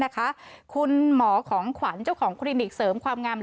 คุณหมอของขวัญเจ้าของคลินิกเสริมความงาม